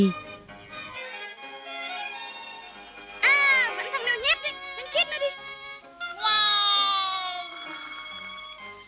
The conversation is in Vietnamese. à vẫn thằng mèo nhép đấy đánh chết nó đi